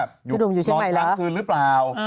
พี่หนุ่มอยู่เชียงใหม่หรือนอนค้างคืนหรือเปล่า